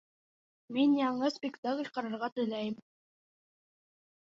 Мин яңы спектакль ҡарарға теләйем